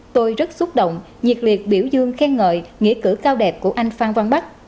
tôi rất xúc động nhiệt liệt biểu dương khen ngợi nghĩa cử cao đẹp của anh phan văn bắc